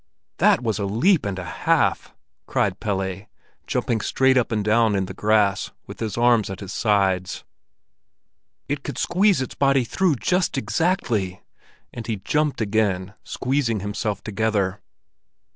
"That was a leap and a half!" cried Pelle, jumping straight up and down in the grass, with his arms at his sides. "It could just squeeze its body through, just exactly!" And he jumped again, squeezing himself together.